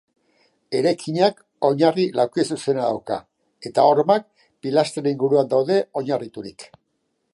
Eraikinak oinarri laukizuzena dauka, eta hormak pilastren inguruan daude oinarriturik.